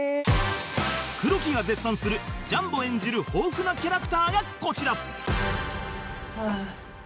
黒木が絶賛するジャンボ演じる豊富なキャラクターがこちらはあ。